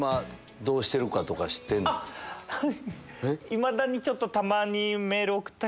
いまだに。